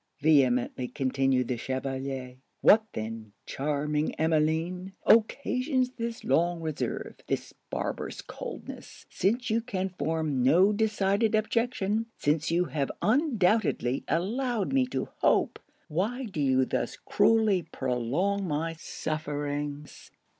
vehemently continued the Chevalier 'what then, charming Emmeline, occasions this long reserve, this barbarous coldness? Since you can form no decided objection; since you have undoubtedly allowed me to hope; why do you thus cruelly prolong my sufferings?